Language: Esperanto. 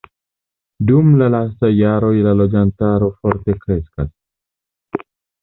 Dum la lastaj jaroj la loĝantaro forte kreskas.